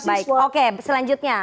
baik oke selanjutnya